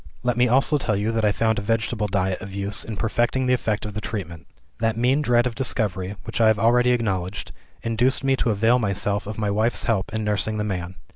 "Let me also tell you that I found a vegetable diet of use in perfecting the effect of the treatment. That mean dread of discovery, which I have already acknowledged, induced me to avail myself of my wife's help in nursing the man.